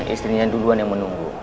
istrinya duluan yang menunggu